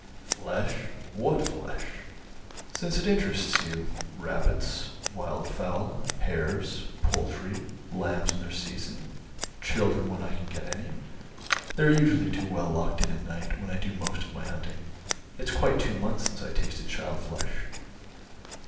"Flesh! What Flesh?" "Since it interests you, rabbits, wild fowl, hares, poultry, lambs in their season, children when I can get any; they're usually too well locked in at night, when I do most of my hunting. It's quite two months since I tasted child flesh."